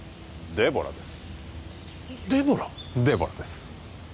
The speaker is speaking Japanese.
デボラです